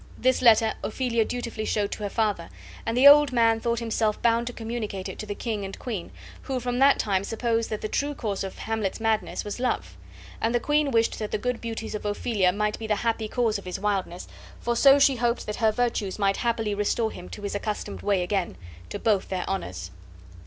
This letter Ophelia dutifully showed to her father, and the old man thought himself bound to communicate it to the king and queen, who from that time supposed that the true cause of Hamlet's madness was love. And the queen wished that the good beauties of Ophelia might be the happy cause of his wildness, for so she hoped that her virtues might happily restore him to his accustomed way again, to both their honors.